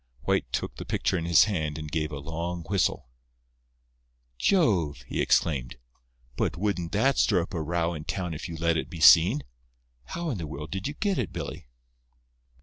White took the picture in his hand, and gave a long whistle. "Jove!" he exclaimed, "but wouldn't that stir up a row in town if you let it be seen. How in the world did you get it, Billy?"